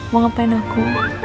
mau ngapain aku